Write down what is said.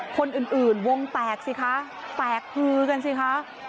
คนอื่นวงแตกสิคะแตกฮือกันสิคะ